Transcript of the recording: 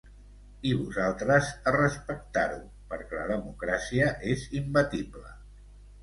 I vosaltres, a respectar-ho, perquè la democràcia és imbatible.